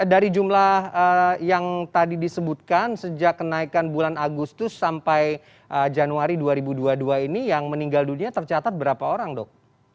dari jumlah yang tadi disebutkan sejak kenaikan bulan agustus sampai januari dua ribu dua puluh dua ini yang meninggal dunia tercatat berapa orang dok